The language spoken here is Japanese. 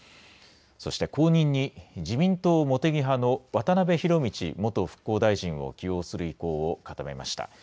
そして後任に自民党茂木派の渡辺博道元復興大臣を起用する意向を固めました。